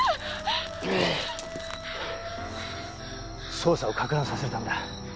捜査をかく乱させるためだ。